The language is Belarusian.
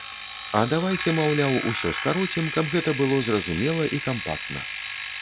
А давайце, маўляў, усё скароцім, каб гэта было зразумела і кампактна.